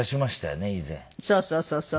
そうそうそうそう。